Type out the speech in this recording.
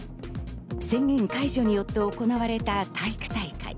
宣言解除によって行われた体育大会。